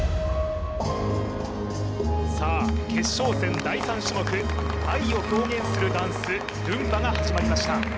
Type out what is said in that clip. さあ決勝戦第３種目愛を表現するダンスルンバが始まりました